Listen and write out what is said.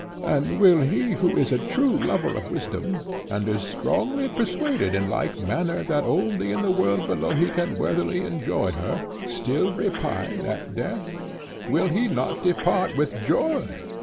And will he who is a true lover of wisdom, and is strongly persuaded in like manner that only in the world below he can worthily enjoy her, still repine at death? Will he not depart with joy?